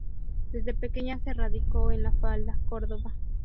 Desde pequeña se radicó en La Falda, Córdoba.